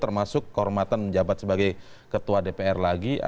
termasuk kehormatan menjabat sebagai ketua dpr lagi